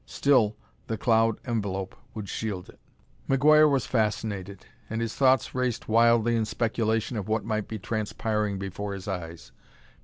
Still, the cloud envelope would shield it." McGuire was fascinated, and his thoughts raced wildly in speculation of what might be transpiring before his eyes.